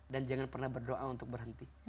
dan jangan pernah berdoa untuk berhenti